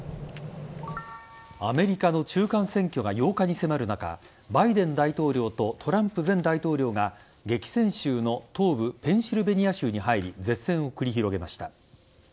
アメリカの中間選挙が８日に迫る中バイデン大統領とトランプ前大統領が激戦州の東部・ペンシルベニア州に入り舌戦を繰り広げました。